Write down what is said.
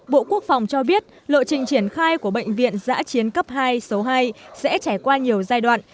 bộ quốc phòng cho biết lộ trình triển khai của bệnh viện giã chiến cấp hai số hai sẽ trải qua nhiều giai đoạn